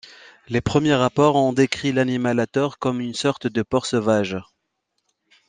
Les premiers rapports ont décrit l'animal à tort comme une sorte de porc sauvage.